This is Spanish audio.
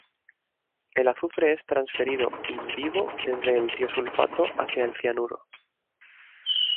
El azufre es transferido in vivo desde el tiosulfato hacia el cianuro.